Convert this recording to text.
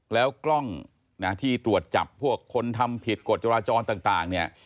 แล้วกล้องที่ตรวจจับพวกคนทำผิดกฎรจรจอลต่าง